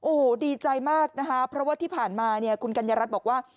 โอ้โหดีใจมากนะคะเพราะว่าที่ผ่านมาเนี่ยคุณกัญญารัฐบอกว่า